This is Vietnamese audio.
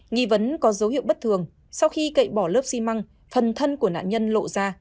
nghi vấn có dấu hiệu bất thường sau khi cậy bỏ lớp xi măng thần thân của nạn nhân lộ ra